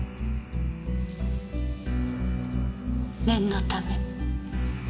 念のため。